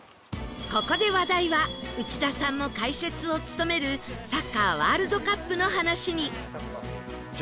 ここで話題は内田さんも解説を務めるサッカーワールドカップの話に